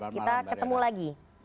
kita ketemu lagi